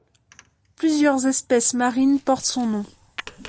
Plusieurs espèces marines portent son nom.